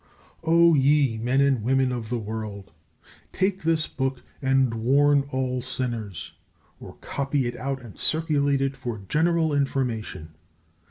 O ye men and women of the world, take this book and warn all sinners, or copy it out and circulate it for general information!